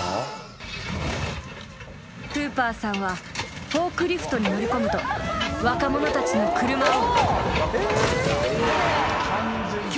［フーパーさんはフォークリフトに乗り込むと若者たちの車を］